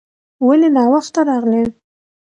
ولې ناوخته راغلې ؟